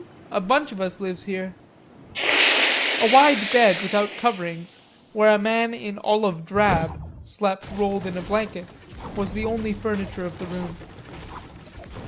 "Um hum, a bunch of us lives here." A wide bed without coverings, where a man in olive drab slept rolled in a blanket, was the only furniture of the room.